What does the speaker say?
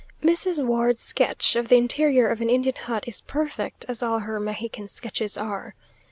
Mrs. Ward's sketch of the interior of an Indian hut is perfect, as all her Mexican sketches are.